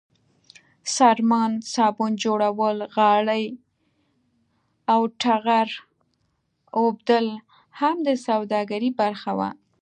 څرمن، صابون جوړول، غالۍ او ټغر اوبدل هم د سوداګرۍ برخه وه.